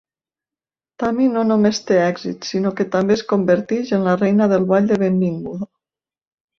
Tami no només té èxit, sinó que també es converteix en la reina del ball de benvinguda.